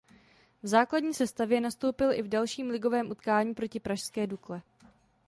V základní sestavě nastoupil i v dalším ligovém utkání proti pražské Dukle.